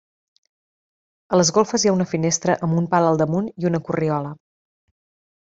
A les golfes hi ha una finestra amb un pal al damunt i una corriola.